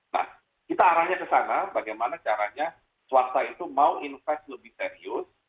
nah kita arahnya ke sana bagaimana caranya swasta itu mau invest lebih serius